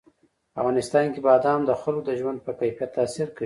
په افغانستان کې بادام د خلکو د ژوند په کیفیت تاثیر کوي.